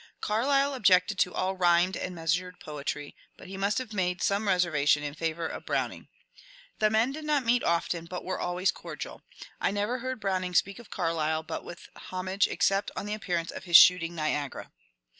Carlyle objected to all rhymed and measured poetry, but he must have made some reservation in favour of Browning. 22 MONCURE DANIEL CONWAY The men did not meet often, but were always cordiaL I never heard Browning speak of Carlyle but with homage except on the appearance of his ^^ Shooting Niagara."